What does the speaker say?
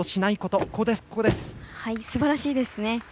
すばらしいですね。